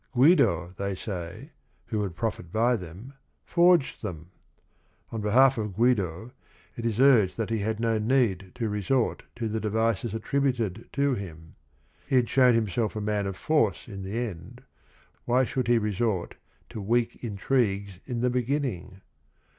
Guido, they say, who would profit by them, forged them. On behalf of Guido, it is urged that he had no need to resort to the devices at tributed to him. He had shown himself a man of force in the end, why should he resort to "weak intrigues" in the beginning?